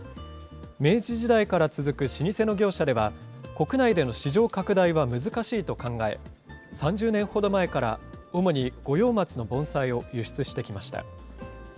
明治時代から続く老舗の業者では、国内での市場拡大は難しいと考え、３０年ほど前から、主に五葉松の盆栽を輸出してきました。